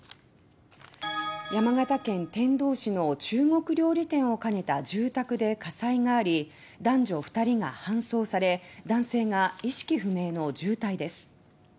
山形県天童市の中国料理店を兼ねた住宅で火災があり男女２人が搬送され男性が意識不明の重体です。